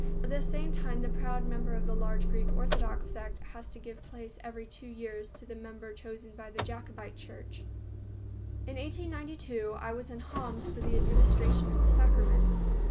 At the same time the proud member of the large Greek Orthodox sect has to give place every two years to the member chosen by the Jacobite church. In 1892 I was in Homs for the administration of the sacraments.